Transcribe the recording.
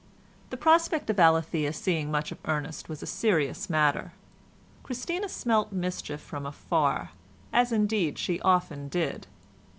The prospect of Alethea seeing much of Ernest was a serious matter. Christina smelt mischief from afar, as indeed she often did.